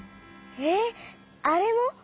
えっあれも？